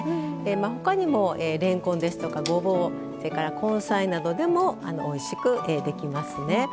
ほかにも、れんこんですとかごぼう根菜などでもおいしくできますね。